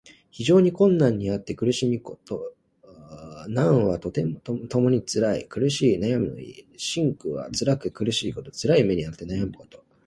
非常な困難にあって苦しみ悩むこと。「艱」「難」はともにつらい、苦しい、悩むの意。「辛苦」はつらく苦しいこと。つらい目にあって悩むこと。